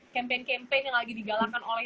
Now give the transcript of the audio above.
campaign campaign yang lagi digalakan oleh